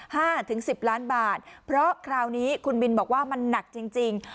ห้าถึงสิบล้านบาทเพราะคราวนี้คุณบินบอกว่ามันหนักจริงจริง